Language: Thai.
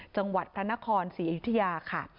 จังหวัดธนครศรีอิทยาค่ะ